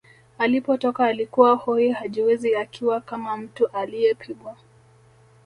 Alipotoka alikuwa hoi hajiwezi akiwa kama mtu aliyepigwa